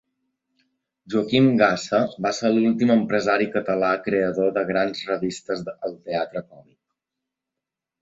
Joaquim Gasa va ser l'últim empresari català creador de grans revistes al Teatre Còmic.